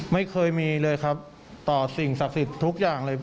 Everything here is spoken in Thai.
ไม่เคยมีเลยครับต่อสิ่งศักดิ์สิทธิ์ทุกอย่างเลย